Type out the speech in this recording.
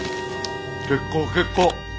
結構結構。